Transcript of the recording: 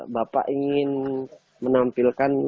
bapak ingin menampilkan